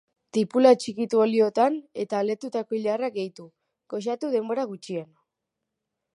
Tipula txikitu oliotan, eta aletutako ilarrak gehitu, goxatu denbora gutxian.